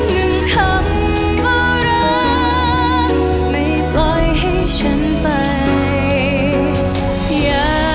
คือความรักของเราที่เคยมีให้กัน